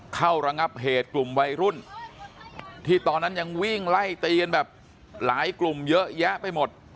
ระงับเหตุกลุ่มวัยรุ่นที่ตอนนั้นยังวิ่งไล่ตีกันแบบหลายกลุ่มเยอะแยะไปหมด